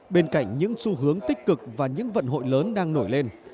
bên cạnh những xu hướng tích cực và những vận hội lớn đang nổi lên